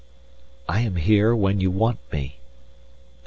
"I am here when you want me.